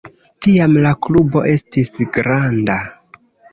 Tiam la klubo estis granda.